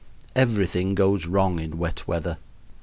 Everything goes wrong in wet weather.